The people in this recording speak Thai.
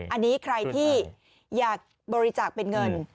อันนี้ใครที่อยากบริจาคเป็นเงิน